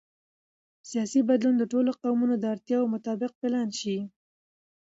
سیاسي بدلون د ټولو قومونو د اړتیاوو مطابق پلان شي